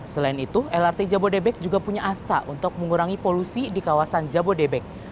selain itu lrt jabodebek juga punya asa untuk mengurangi polusi di kawasan jabodebek